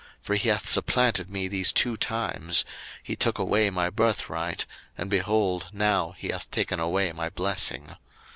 for he hath supplanted me these two times: he took away my birthright; and, behold, now he hath taken away my blessing.